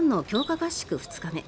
合宿２日目。